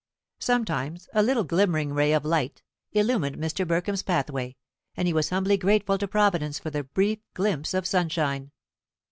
Sometimes a little glimmering ray of light illumined Mr. Burkham's pathway, and he was humbly grateful to Providence for the brief glimpse of sunshine.